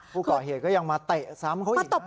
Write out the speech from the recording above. ผู้ก่อเหตุก็ยังมาเตะซ้ำเขาอีกนะ